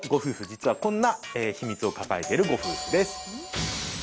実はこんな秘密を抱えているご夫婦です。